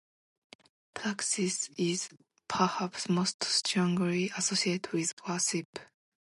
Praxis is perhaps most strongly associated with worship.